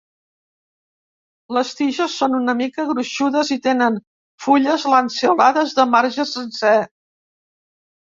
Les tiges són una mica gruixudes i tenen fulles lanceolades de marge sencer.